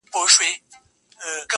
• مګر پام کوه چي خوله دي نه کړې خلاصه -